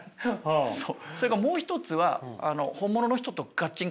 それからもう一つはえ！